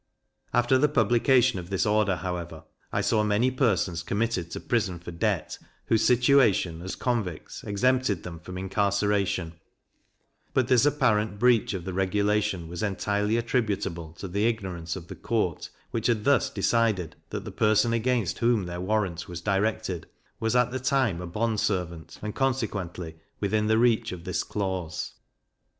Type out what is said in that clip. After the publication of this order, however, I saw many persons committed to prison for debt, whose situation, as convicts, exempted them from incarceration; but this apparent breach of the regulation was entirely attributable to the ignorance of the court which had thus decided, that the person against whom their warrant was directed, was at the time a bond servant, and, consequently, within the reach of this clause.